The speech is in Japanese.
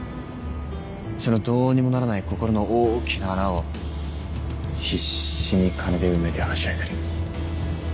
そのどうにもならない心の大きな穴を必死に金で埋めてはしゃいでる。